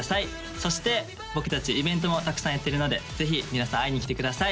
そして僕達イベントもたくさんやってるのでぜひ皆さん会いに来てください